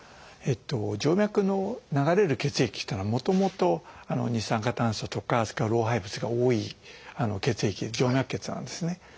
静脈の流れる血液っていうのはもともと二酸化炭素とかそれから老廃物が多い血液静脈血なんですね。